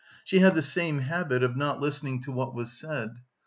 She had the same habit of not listening to what was said.